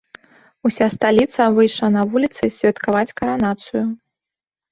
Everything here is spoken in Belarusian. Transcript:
Уся сталіца выйшла на вуліцы святкаваць каранацыю.